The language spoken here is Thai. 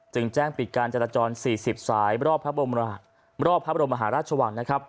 จึงแจ้งปิดการจราจร๔๐สายรอบพระบรมราชวัน